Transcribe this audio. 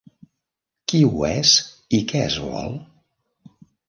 Qui ho és i que es vol?